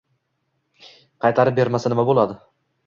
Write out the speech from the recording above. qaytarib bermasa, nima bo‘ladi?